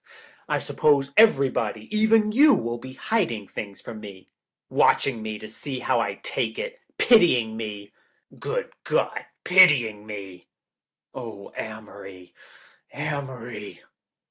I suppose everybody, even you, will be hiding things from me. Watching me to see how I take it. Pitying me. Good God, pitying me! Oh, Amory — Amory."